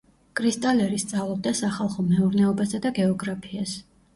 კრისტალერი სწავლობდა სახალხო მეურნეობასა და გეოგრაფიას.